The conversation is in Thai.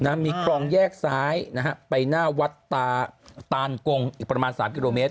มีคลองแยกซ้ายนะฮะไปหน้าวัดตานกงอีกประมาณสามกิโลเมตร